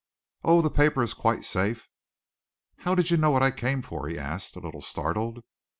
"Oh, the paper is quite safe." "How did you know what I came for?" he asked, a little startled.